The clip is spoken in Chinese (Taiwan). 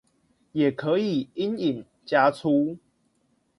也可以陰影加粗